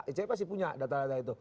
icw pasti punya data data itu